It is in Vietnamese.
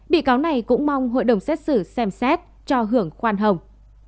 bị cáo này cũng mong hội đồng xét xử xem xét cho hưởng khoan hồng